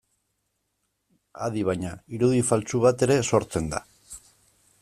Adi baina, irudi faltsu bat ere sortzen da.